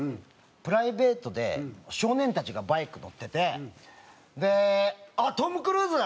プライベートで少年たちがバイク乗ってて「あっトム・クルーズだ！」